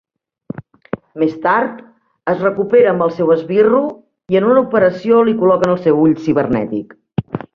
Més tard, es recupera amb el seu esbirro i en una operació li col·loquen el seu ull cibernètic.